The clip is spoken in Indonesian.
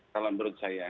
kalau menurut saya